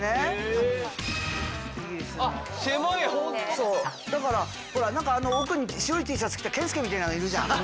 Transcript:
そうだから奥に白いＴシャツ着た健介みたいなのいるじゃん。